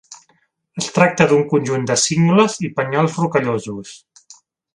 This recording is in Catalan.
Es tracta d'un conjunt de cingles i penyals rocallosos.